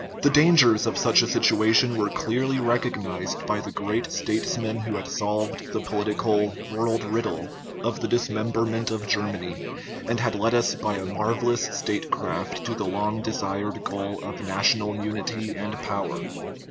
The dangers of such a situation were clearly recog nized by the great statesman who had solved the po litical " world riddle " of the dismemberment of Ger many, and had led us by a marvellous statecraft to the long desired goal of national unity and power.